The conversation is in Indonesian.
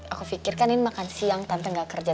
aku pikir kan ini makan siang tante gak kerja